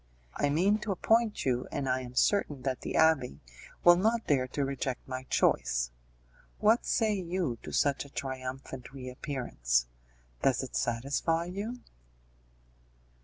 I mean to appoint you, and I am certain that the abbé will not dare to reject my choice. What say you to such a triumphant reappearance? Does it satisfy you?"